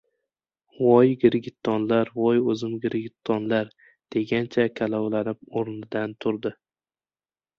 — Voy girgittonlar, voy o‘zim girgittonlar! —degancha kalovlanib o‘rnidan turdi.